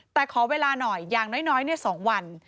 แต่ขอเวลาหน่อยอย่างน้อย๒วัน